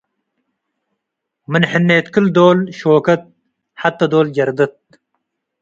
ምን ሕኔት ክል-ዶል ሾከት፡፣ ሐቴ ዶል ጀርደት።